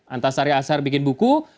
antasari asar bikin buku